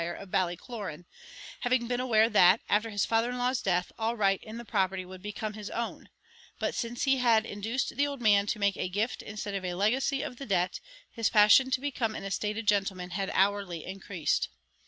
of Ballycloran having been aware that, after his father in law's death, all right in the property would become his own; but since he had induced the old man to make a gift instead of a legacy of the debt, his passion to become an estated gentleman had hourly increased.